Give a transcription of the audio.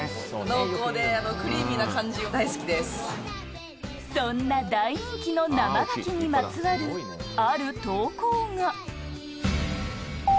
濃厚でクリーミーな感じが大そんな大人気の生ガキにまつわるある投稿が。